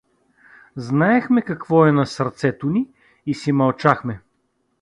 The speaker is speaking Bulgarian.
Знаехме какво е на сърцето ни и си мълчахме.